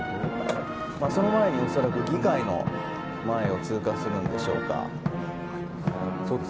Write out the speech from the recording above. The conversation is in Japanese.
その前に、恐らく議会の前を通過するんでしょうか。